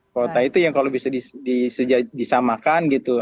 kota itu yang kalau bisa disamakan gitu